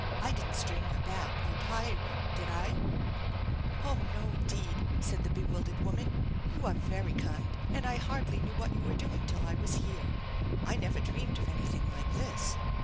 " I didn't strain your back or tire you, did I ?"" Oh, no, indeed !" said the bewildered woman. " You are very kind, and I hardly knew what you were doing till I THE ENCHANTED BARN 139 was here. I never dreamed of anything like this.